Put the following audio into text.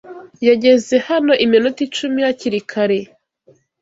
Yageze hano iminota icumi hakiri kare.